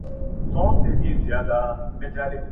چي خپل دي راسي په وطن کي دي ښارونه سوځي؛